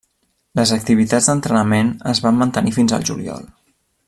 Les activitats d'entrenament es van mantenir fins al juliol.